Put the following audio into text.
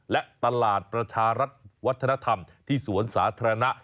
และตลาดประชารัฐวัฒนธรรมที่สวนสาธารณะ